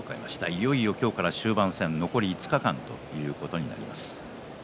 いよいよ今日から終盤戦残り５日間ということになります。